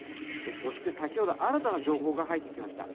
そして先ほど新たな情報が入ってきました。